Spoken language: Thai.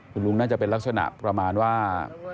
คุณลุงน่าจะเป็นลักษณะประมาณว่า